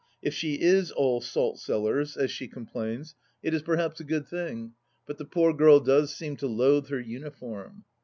If she is all salt cellars, as she com 13 194 THE LASr DITCH plains, it is perhaps a good thing, but the poor girl does seem to loathe her uniform.